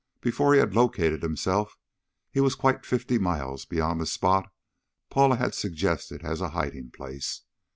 Before he had located himself he was quite fifty miles beyond the spot Paula had suggested as a hiding place.